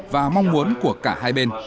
và mong muốn của cả hai bên